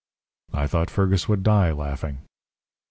"I thought Fergus would die laughing.